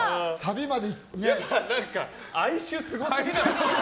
何か哀愁すごすぎない？